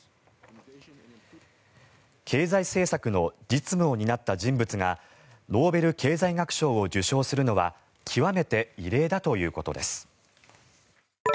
経済政策の実務を担った人物がノーベル経済学賞を受賞するのは極めて異例だということです。